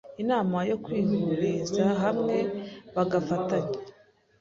inama yo kwihuriza hamwe bagafatanya